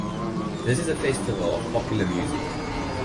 This is a festival of popular music.